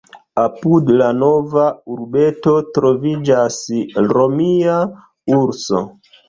Apud la nova urbeto troviĝas romia "Urso".